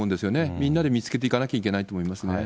みんなで見つけていかなきゃいけないと思いますね。